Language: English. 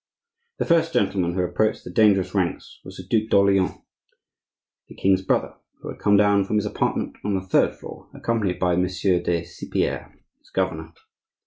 The first gentleman who approached the dangerous ranks was the Duc d'Orleans, the king's brother, who had come down from his apartment on the third floor, accompanied by Monsieur de Cypierre, his governor.